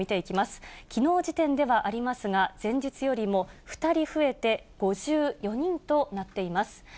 きのう時点ではありますが、前日よりも２人増えて５４人となっています。